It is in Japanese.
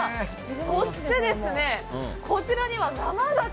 そして、こちらには生ガキ！